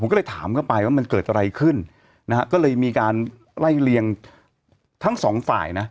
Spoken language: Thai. ก็เลยถามเข้าไปว่ามันเกิดอะไรขึ้นนะฮะก็เลยมีการไล่เลียงทั้งสองฝ่ายนะ